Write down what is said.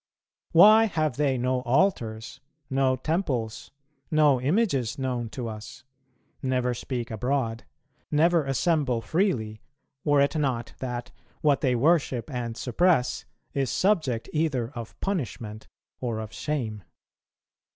Why have they no altars, no temples, no images known to us, never speak abroad, never assemble freely, were it not that what they worship and suppress is subject either of punishment or of shame?